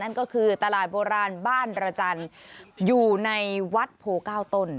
นั่นก็คือตลาดโบราณบ้านระจันทร์อยู่ในวัดโพเก้าต้น